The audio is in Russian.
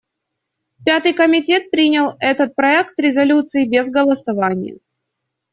Пятый комитет принял этот проект резолюции без голосования.